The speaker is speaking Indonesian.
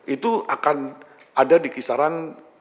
itu akan ada di kisaran lima satu